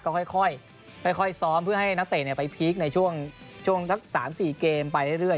ก็ค่อยค่อยค่อยค่อยซ้อมเพื่อให้นักเตะเนี่ยไปพีคในช่วงช่วงทั้งสามสี่เกมไปเรื่อยเรื่อย